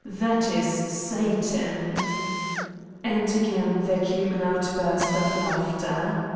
That is Satan !'' And again there came an outburst of laugh ter.